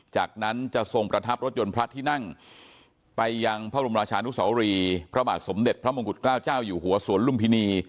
จากนั้นจะทรงประทับรถยนต์พระที่นั่งไปยังพระบรมราชานุสวรีพระบาทสมเด็จพระมงกุฎเกล้าเจ้าอยู่หัวสวนลุมพินี